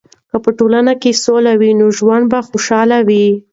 که په ټولنه کې سولې وي، نو ژوند به خوشحاله وي.